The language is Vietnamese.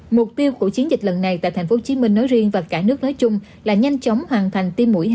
mục tiêu của chiến dịch lần này tại tp hcm nói riêng và cả nước nói chung là nhanh chóng hoàn thành tiêm mũi hai